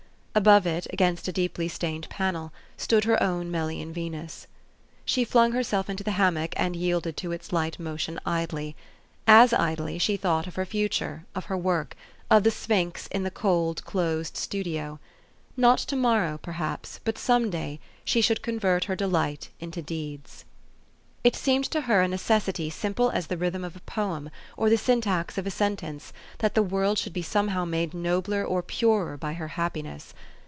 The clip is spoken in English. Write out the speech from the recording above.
Above it, against a deeply stained panel, stood her own Melian Venus. She flung herself into the hammock, and yielded to its light motion idty. As idly she thought of her future, of her work, of the sphinx in the cold, closed studio. Not to morrow, perhaps, but some day, she should convert her delight into deeds. It seemed to her a necessity 1 simple as the rhythm of a poem, or the syntax of a sentence, that the world should be somehow made nobler or purer by her happiness.